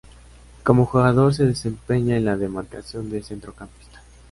Como jugador se desempeñaba en la demarcación de centrocampista.